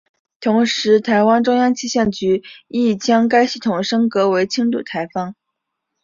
同时台湾中央气象局亦将该系统升格为轻度台风。